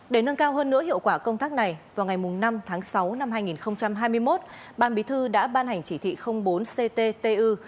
để nâng cao hơn nữa hiệu quả công tác này vào ngày năm tháng sáu năm hai nghìn hai mươi một ban bí thư đã ban hành chỉ thị bốn cttu